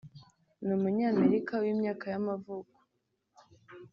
Ni umunyamerika w’imyaka y’amavuko